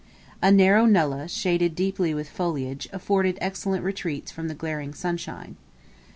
A narrow nullah, shaded deeply with foliage, afforded excellent retreats from the glaring sunshine.